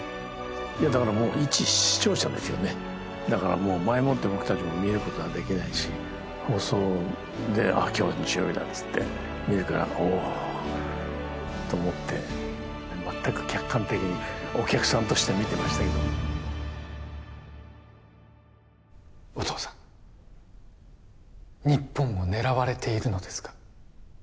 いやだからもういち視聴者ですよねだからもう前もって僕たちも見ることはできないし放送であっ今日は日曜日だっつって見るからおっと思って全く客観的にお客さんとして見てましたけどお父さん日本を狙われているのですか？